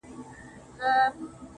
ما خو گيله ترې په دې په ټپه کي وکړه,